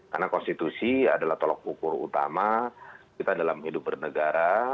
karena konstitusi adalah tolak ukur utama kita dalam hidup bernegara